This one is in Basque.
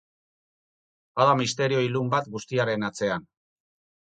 Bada misterio ilun bat guztiaren atzean.